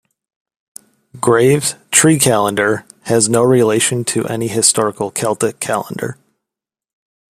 Graves' "Tree Calendar" has no relation to any historical Celtic calendar.